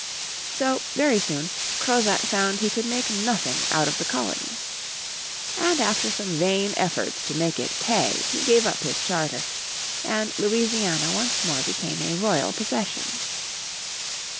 So very soon Crozat found he could make nothing out of the colony. And after some vain efforts to make it pay he gave up his charter, and Louisiana once more became a royal possession.